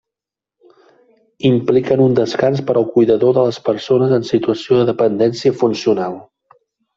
Impliquen un descans per al cuidador de les persones en situació de dependència funcional.